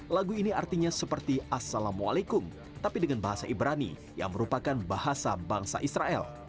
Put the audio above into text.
lagu ini artinya seperti assalamualaikum tapi dengan bahasa ibrani yang merupakan bahasa bangsa israel